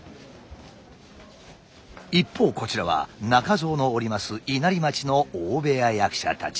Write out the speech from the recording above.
一方こちらは中蔵のおります稲荷町の大部屋役者たち。